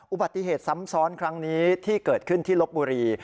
อุบัติเหตุซ้ำซ้อนครั้งนี้ที่เกิดขึ้นที่ลบบุรี